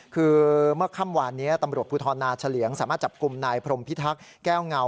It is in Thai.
คือเมื่อค่ำวานนี้ตำรวจภูทรนาเฉลี่ยงสามารถจับกลุ่มนายพรมพิทักษ์แก้วเงา